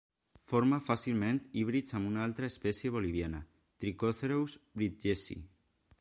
Forma fàcilment híbrids amb una altra espècia boliviana, Trichocereus bridgesii.